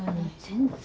全然！